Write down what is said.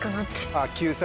あぁ救済？